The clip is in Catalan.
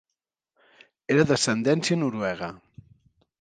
Era d'ascendència noruega.